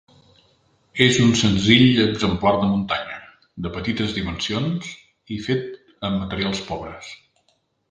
És un senzill exemplar de muntanya, de petites dimensions i fet amb materials pobres.